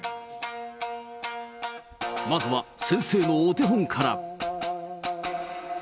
まずは、先生のお手本から。